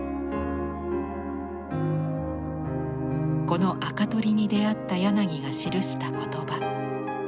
この「あか取り」に出会った柳が記した言葉。